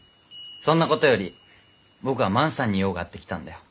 そんなことより僕は万さんに用があって来たんだよ。